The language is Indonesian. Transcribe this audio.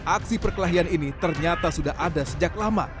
aksi perkelahian ini ternyata sudah ada sejak lama